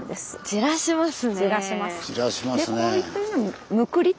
じらします。